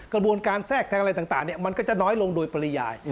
กระบวนการแทรกแทงอะไรต่างมันก็จะน้อยลงโดยปริยาย